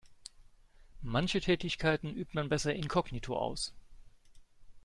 Manche Tätigkeiten übt man besser inkognito aus.